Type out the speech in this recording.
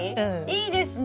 いいですね。